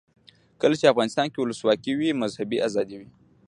کله چې افغانستان کې ولسواکي وي مذهبي آزادي وي.